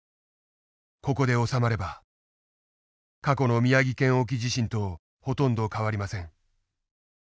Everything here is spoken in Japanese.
ここで収まれば過去の宮城県沖地震とほとんど変わりません。